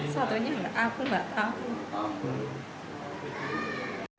satunya enggak aku enggak tahu